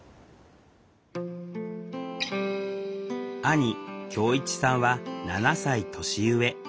兄恭一さんは７歳年上。